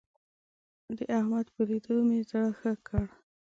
د احمد په ليدو مې زړه ښه کړ.